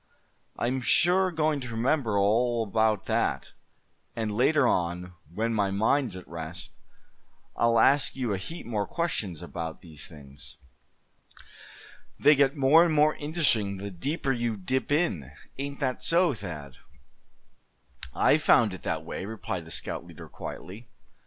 I'm sure going to remember all about that; and later on, when my mind's at rest, I'll ask you a heap more questions about these things. They get more and more interesting the deeper you dip in; ain't that so, Thad?" "I've found it that way," replied the scout leader, quietly.